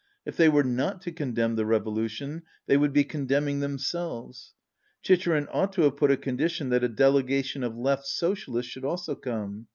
If they were not to condemn the revolution they would be condemn ing themselves. Chicherin ought to have put a condition that a delegation of Left Socialists should also come.